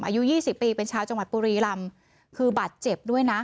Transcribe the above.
อายุ๒๐ปีเป็นชาวจังหวัดปุรีรำคือบัตรเจ็บด้วยนะ